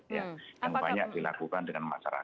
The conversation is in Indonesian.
ya yang banyak dilakukan dengan masyarakat